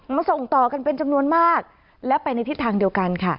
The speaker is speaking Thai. ส่งต่อกันเป็นจำนวนมากและไปในทิศทางเดียวกันค่ะ